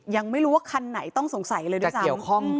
ยังไม่รู้ว่าคันไหนต้องสงสัยเลยด้วยซ้ำ